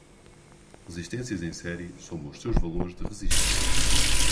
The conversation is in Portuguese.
Resistências em série somam os seus valores de resistência.